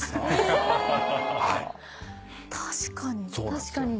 確かに。